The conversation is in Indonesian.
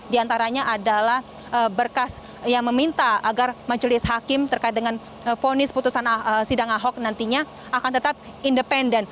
di antaranya adalah berkas yang meminta agar majelis hakim terkait dengan fonis putusan sidang ahok nantinya akan tetap independen